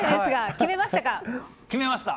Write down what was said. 決めました。